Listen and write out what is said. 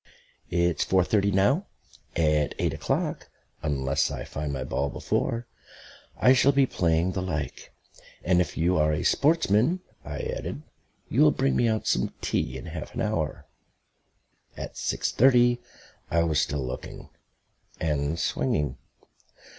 It's four thirty now; at eight o'clock, unless I find my ball before, I shall be playing the like. And if you are a sportsman," I added, "you will bring me out some tea in half an hour." At six thirty I was still looking and swinging.